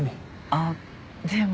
あっでも。